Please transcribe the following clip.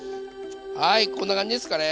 はいこんな感じですかね。